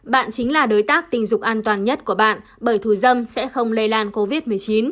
bạn chính là đối tác tình dục an toàn nhất của bạn bởi thù dâm sẽ không lây lan covid một mươi chín